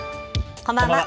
こんばんは。